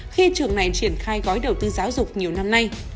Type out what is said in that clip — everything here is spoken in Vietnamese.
khi trường này triển khai gói đầu tư giáo dục nhiều năm nay